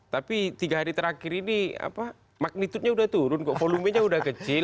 tapi tiga hari terakhir ini apa magnitudenya sudah turun kok volumenya sudah kecil